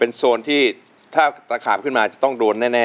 โซนที่ถ้าตะขาบขึ้นมาจะต้องโดนแน่